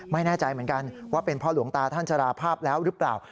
ไม่แน่ใจเหมือนกันว่าเป็นเพราะหลวงตาท่านชราภาพแล้วหรือเปล่า